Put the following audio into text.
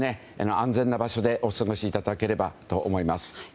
安全な場所でお過ごしいただければと思います。